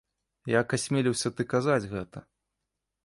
Як асмеліўся ты казаць гэта?